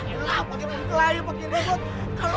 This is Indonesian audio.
pak elah pake penghelayu pake ribut